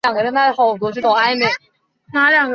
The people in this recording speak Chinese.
柿子也不错